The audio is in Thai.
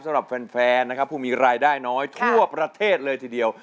สำหรับแฟนนะครับผู้มีรายได้น้อยทั่วประเทศเลยทีเดียว